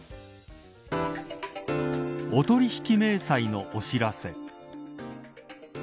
お取引明細のお知らせ。